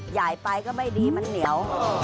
ใหญ่ไปก็ไม่ดีมันเหนียว